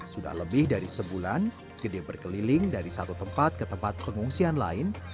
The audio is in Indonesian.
sudah lebih dari sebulan gede berkeliling dari satu tempat ke tempat pengungsian lain